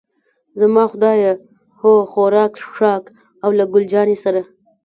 زما خدایه، هو، خوراک، څښاک او له ګل جانې سره.